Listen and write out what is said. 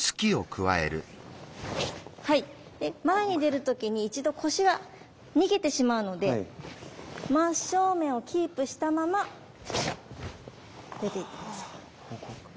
はい前に出る時に１度腰が逃げてしまうので真正面をキープしたまま出ていきます。